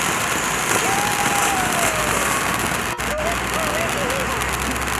The binding site is in the closed conformation in the absence of photolyzed rhodopsin.